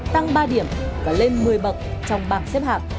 tăng ba điểm và lên một mươi bậc trong bảng xếp hạng